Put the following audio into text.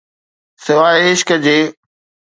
سواءِ عشق جي.